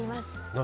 何？